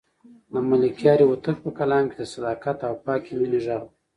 د ملکیار هوتک په کلام کې د صداقت او پاکې مینې غږ دی.